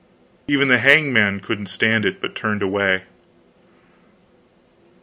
Even the hangman couldn't stand it, but turned away.